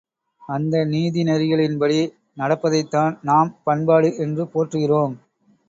அந்த நீதிநெறிகளின்படி நடப்பதைத்தான் நாம் பண்பாடு என்று போற்றுகிறோம்.